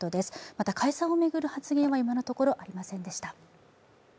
また解散を巡る発言は今のところありませんでした。